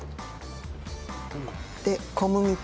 で小麦粉。